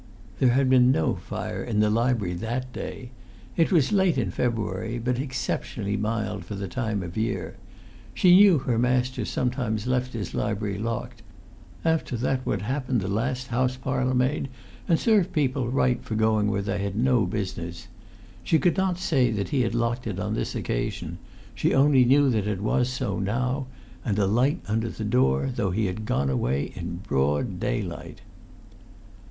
There had been no fire in the lib'ry that day; it was late in February, but exceptionally mild for the time of year. She knew her master sometimes left his lib'ry locked, after that what happened the last house parlourmaid, and serve people right for going where they had no business. She could not say that he had left it locked on this occasion; she only knew it was so now, and a light under the door, though he had gone away in broad daylight.